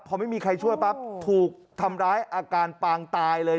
พอไม่มีใครช่วยปั๊บถูกทำร้ายอาการปางตายเลย